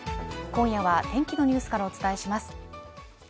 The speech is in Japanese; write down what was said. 今夜は天気のニュースからお伝えします。